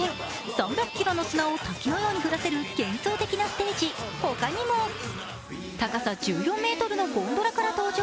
３００ｋｇの砂を滝のように降らせる幻想的なステージ、他にも、高さ１４ｍのゴンドラから登場。